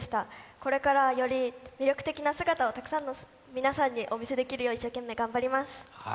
これから、より魅力的な姿をたくさんの皆さんにお見せできるように頑張ります。